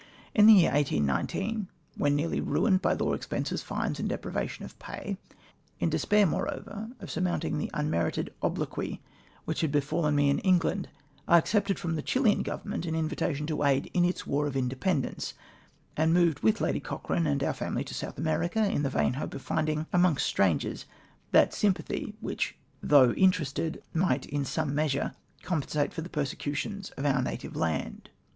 Li the year 1819 — when nearly ruined by law expenses, fines, and deprivation of pay — in despair moreover, of surmounting the unmerited obloquy which had befallen me in England — I accepted from the Chilian government an invitation to aid in its war of independence ; and removed with Lady Cochrane and our family to South America, in the vain hope of find ing, amongst strangers, that sympathy which, though interested, might, in some measure compensate for the persecutions of our native land.